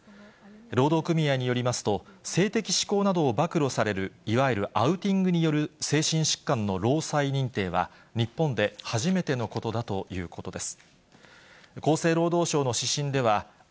労働組合によりますと、性的指向などを暴露される、いわゆるアウティングによる精神疾患の労災認定は、日本で初めてのことだということです。